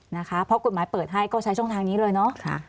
นะคะเพราะกฎหมายเปิดให้ก็ใช้ช่องทางนี้เลยเนาะ